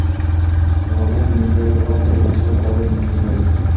د غاښونو د مینځلو په وخت کې د مسواک کارول لومړیتوب لري.